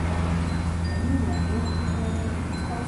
Kwa jumla zote ni hafifu.